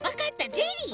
ゼリー。